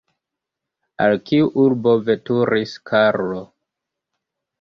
Al kiu urbo veturis Karlo?